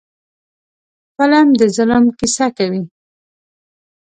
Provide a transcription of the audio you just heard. فلم د ظلم کیسه کوي